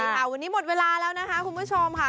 ค่ะวันนี้หมดเวลาแล้วนะคะคุณผู้ชมค่ะ